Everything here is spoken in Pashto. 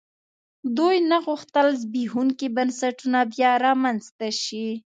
دوی نه غوښتل زبېښونکي بنسټونه بیا رامنځته شي.